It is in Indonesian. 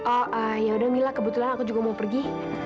oh yaudah mila kebetulan aku juga mau pergi